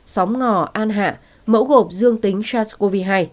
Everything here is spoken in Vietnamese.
sóng ngò an hạ mẫu gộp dương tính sars cov hai